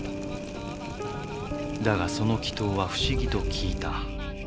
だがその祈祷は不思議と効いた。